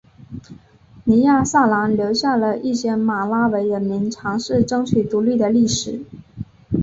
尼亚萨兰留下了一些马拉维人民尝试争取独立的历史。